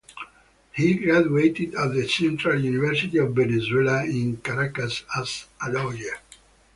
He graduated at the Central University of Venezuela in Caracas as a lawyer.